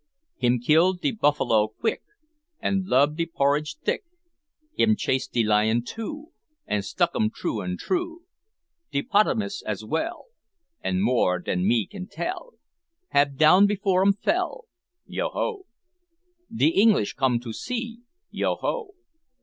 Him kill de buff'lo quick, An' lub de porridge thick; Him chase de lion too, An' stick um troo an' troo. De 'potimus as well, An' more dan me can tell, Hab down before um fell, Yo ho! De English come to see, Yo ho!